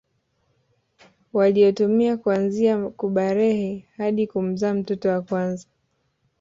Waliotumia kuanzia kubalehe hadi kumzaa mtoto wa kwanza